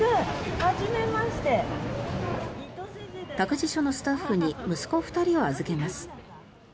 託児所のスタッフに息子２人を預けます。